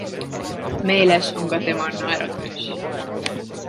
Meeles on ka tema naeratus.